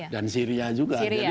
dan syria juga